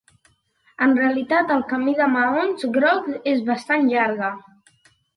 En realitat el camí de maons grocs és bastant llarga.